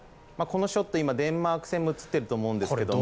このショット、今デンマーク戦映ってると思うんですが。